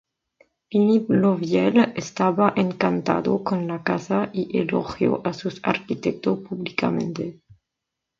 Philip Lovell estaba encantado con la casa y elogió a su arquitecto públicamente.